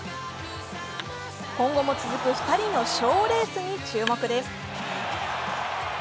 今後も続く２人のショーレースに注目です。